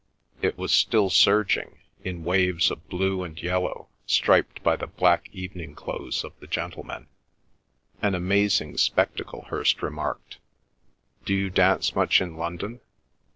It was still surging, in waves of blue and yellow, striped by the black evening clothes of the gentlemen. "An amazing spectacle," Hirst remarked. "Do you dance much in London?"